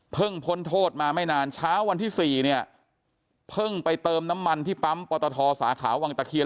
พ้นโทษมาไม่นานเช้าวันที่๔เนี่ยเพิ่งไปเติมน้ำมันที่ปั๊มปตทสาขาวังตะเคียน